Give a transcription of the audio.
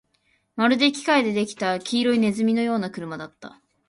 まるで機械で出来た黄色い鼠のような車だった